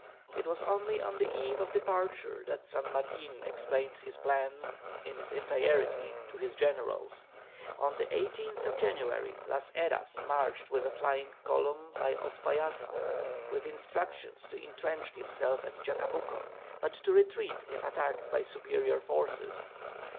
It was only on the eve of departure that San Martin explained his plan in its entirety to his generals. On the 18th January Las Heras marched with a flying column by Uspallata, with instructions to entrench himself at Chacabuco, but to retreat if attacked by superior forces.